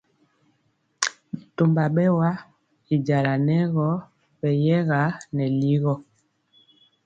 Bɛtɔmba bɛwa y jala nɛ gɔ beyɛga nɛ ligɔ.